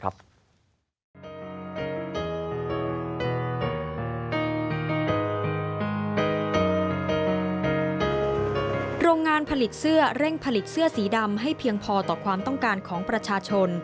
โรงงานผลิตเสื้อเร่งผลิตเสื้อสีดำให้เพียงพอต่อความต้องการของประชาชน